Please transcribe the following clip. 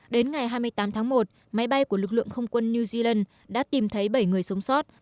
đến ngày hai mươi tám tháng một máy bay của lực lượng không quân new zealand đã tìm thấy bảy người sống sót